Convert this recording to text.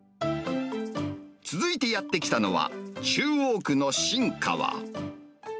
続いてやって来たのは、中央区の新川。